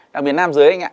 đặc biệt nam giới anh ạ